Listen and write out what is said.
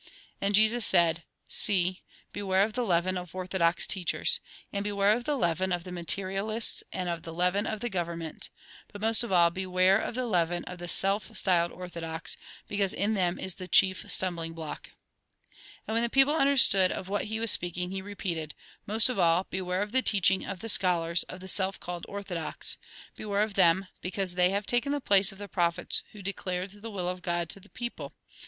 And Jesus said :" See, beware of the leaven of orthodox teachers. And beware of the leaven of the materialists and of the leaven of the govern ment. But most of all, beware of the leaven of the self styled ' orthodox,' because in them is the chief stumbling block." And when the people understood of what he was speaking, he repeated :" Most of all, beware of the teaching of the scholars, of the self called ' orthodox.' Beware of them, because they have taken the place of the prophets who declared the will of God to the people.